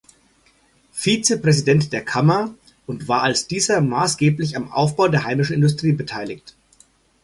Vizepräsident der Kammer und war als dieser maßgeblich am Aufbau der heimischen Industrie beteiligt.